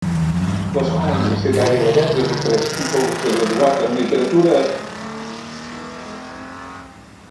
L'Escola Universitària de Lletres ofereix títols de graduat en Literatura americana i Escriptura creativa.